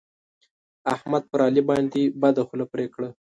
احمد پر علي باندې بده خوله پرې کړه.